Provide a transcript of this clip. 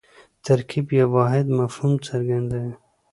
ترکیب یو واحد مفهوم څرګندوي.